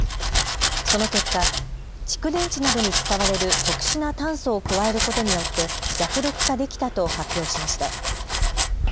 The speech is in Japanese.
その結果、蓄電池などに使われる特殊な炭素を加えることによって弱毒化できたと発表しました。